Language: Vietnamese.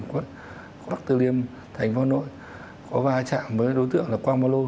quận bắc tư liêm thành phố nội có va trạm với đối tượng là quang bà lô